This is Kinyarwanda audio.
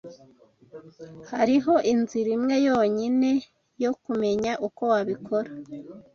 Hariho inzira imwe yonyine yo kumenya uko wabikora